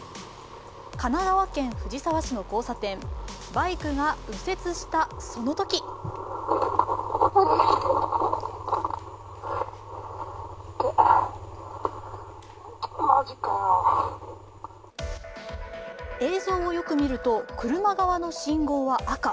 神奈川県藤沢市の交差点、バイクが右折したそのとき映像をよく見ると、車側の信号は赤。